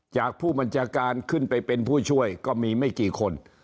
จากผู้บัญชาการขึ้นไปเป็นผู้ช่วยก็มีไม่กี่คน